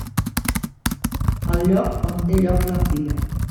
El lloc on té lloc la fira.